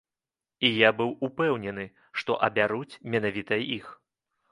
І я быў упэўнены, што абяруць менавіта іх.